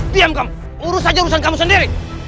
diam kamu urus saja urusan kamu sendiri